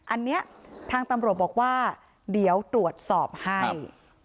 อันนี้ทางตำรวจบอกว่าเดี๋ยวตรวจสอบให้